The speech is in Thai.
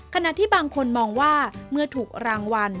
ขณะที่บางคนมองว่าเมื่อถูกรางวัล